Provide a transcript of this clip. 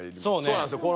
そうなんすよ。